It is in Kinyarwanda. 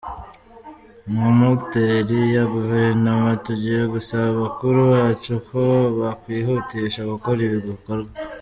Nka moteri ya guverinoma, tugiye gusaba abakuru bacu ko bakwihutisha gukora ibi bikorwa.